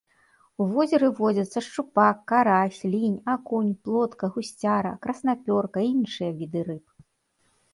У возеры водзяцца шчупак, карась, лінь, акунь, плотка, гусцяра, краснапёрка і іншыя віды рыб.